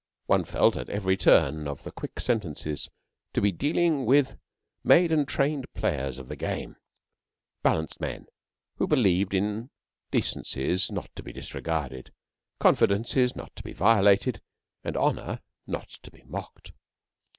One felt at every turn of the quick sentences to be dealing with made and trained players of the game balanced men who believed in decencies not to be disregarded, confidences not to be violated, and honour not to be mocked.